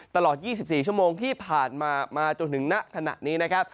ตลอด๒๔ชั่วโมงที่ผ่านมามาจนถึงณขณะนี้นะครับ